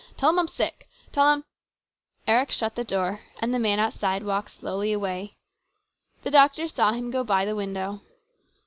Tell him I'm sick. Tell him " Eric shut the door, and the man outside walked slowly away. The doctor saw him go by the window.